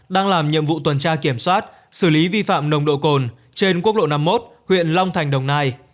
đang làm nhiệm vụ tuần tra kiểm soát xử lý vi phạm nồng độ cồn trên quốc lộ năm mươi một huyện long thành đồng nai